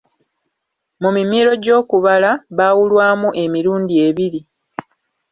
Mu mirimo gy'okubala, baawulwamu emirundi ebiri.